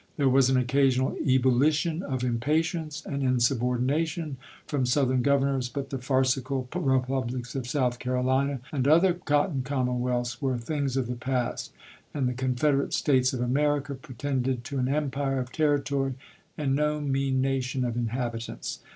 There ^^^'^'^^' was an occasional ebullition of impatience and insubordination from Southern Governors; but the farcical republics of South Carolina and other Cotton commonwealths were things of the past, and the "Confederate States of America" pre tended to an empire of territory, and no mean nation of inhabitants.